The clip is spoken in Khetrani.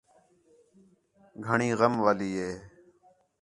گھݨی غم والی ہی